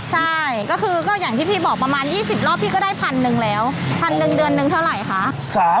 ใช่ก็คือก็อย่างที่พี่บอกประมาณ๒๐รอบพี่ก็ได้พันหนึ่งแล้วพันหนึ่งเดือนนึงเท่าไหร่คะ